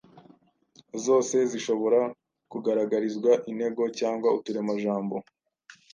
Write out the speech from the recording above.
zose zishobora kugaragarizwa intego cyangwa uturemajambo.